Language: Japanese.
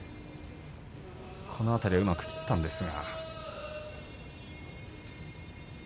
この辺りはうまく切ったんですが。